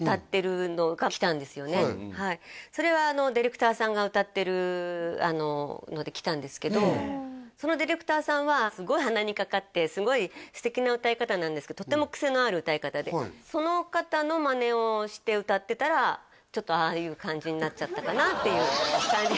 それはディレクターさんが歌ってるのできたんですけどそのディレクターさんはすごい鼻にかかってすごい素敵な歌い方なんですけどとても癖のある歌い方でその方のマネをして歌ってたらちょっとああいう感じになっちゃったかなっていう感じ